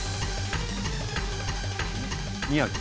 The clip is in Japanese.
宮城。